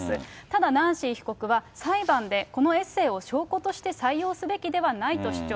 ただ、ナンシー被告は、裁判でこのエッセーを証拠として採用すべきではないと主張。